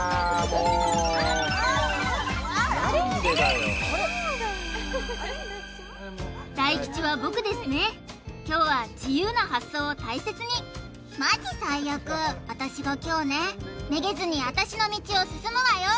用意大吉は僕ですね今日は自由な発想を大切にマジ最悪私が凶ねめげずに私の道を進むわよ